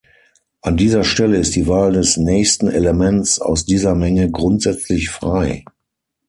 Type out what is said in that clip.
An dieser Stelle ist die Wahl des nächsten Elements aus dieser Menge grundsätzlich frei.